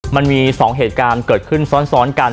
มันมี๒เหตุการณ์เกิดขึ้นซ้อนกัน